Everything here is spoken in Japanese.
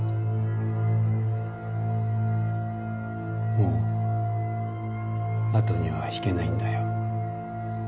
もう後には引けないんだよ。